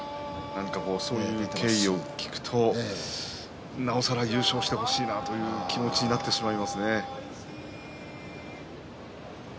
そういう経緯を聞くとなおさら優勝してほしいなという気持ちになってしまいますね。